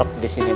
aku telah salah